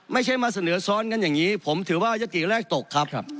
ไม่ใช่มาเสนอซ้อนกันอย่างนี้ผมถือว่ายติแรกตกครับ